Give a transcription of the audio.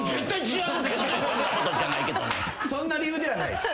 そんな理由ではないです。